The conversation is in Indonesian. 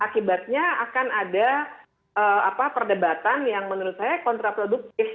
akibatnya akan ada perdebatan yang menurut saya kontraproduktif